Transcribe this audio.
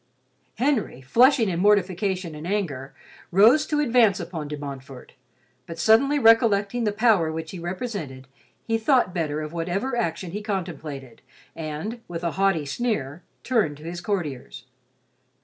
Henry, flushing in mortification and anger, rose to advance upon De Montfort, but suddenly recollecting the power which he represented, he thought better of whatever action he contemplated and, with a haughty sneer, turned to his courtiers.